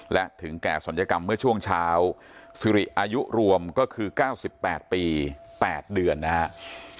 และถึงแก่ศัลยกรรมเมื่อช่วงเช้าสิริอายุรวมก็คือ๙๘ปี๘เดือนนะครับ